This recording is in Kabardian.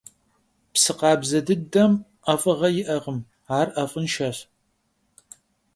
Psı khabze dıdem 'ef'ığe yi'ekhım, ar 'ef'ınşşeş.